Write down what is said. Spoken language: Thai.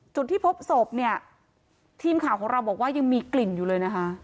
จุดที่พบศพเนี่ยทีมข่าวของเราบอกว่ายังมีกลิ่นอยู่เลยนะคะ